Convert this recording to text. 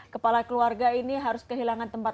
kepala keluarga ini harus kehilangan tempat